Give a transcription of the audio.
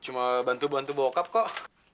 cuma bantu bantu bokap kok